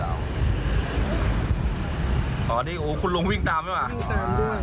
อ่าที่อู่คนลุงวิ่งตามเลยไหมอ่ะ